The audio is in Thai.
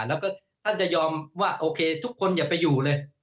แล้วก็ท่านจะยอมว่าโอเคทุกคนอย่าไปอยู่เลย